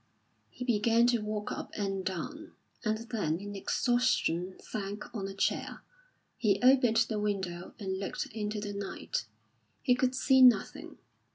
He began to walk up and down, and then in exhaustion sank on a chair. He opened the window and looked into the night. He could see nothing.